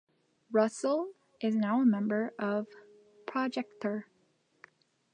Russell is now a member of Projektor.